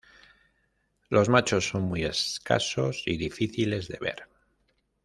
Los machos son muy escasos y difíciles de ver.